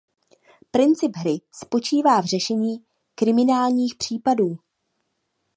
Princip hry spočívá v řešení kriminálních případů.